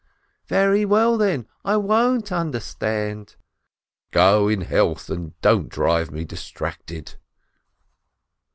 "Very well, then, I won't understand ..." "Go in health, and don't drive me distracted."